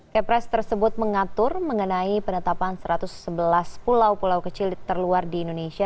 kepres tersebut mengatur mengenai penetapan satu ratus sebelas pulau pulau kecil terluar di indonesia